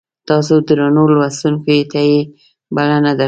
تاسو درنو لوستونکو ته یې بلنه درکوم.